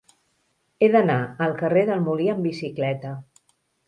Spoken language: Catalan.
He d'anar al carrer del Molí amb bicicleta.